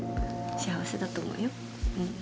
幸せだと思うよ。